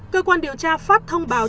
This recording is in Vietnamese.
cơ quan điều tra phát thông báo